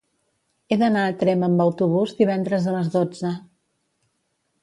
He d'anar a Tremp amb autobús divendres a les dotze.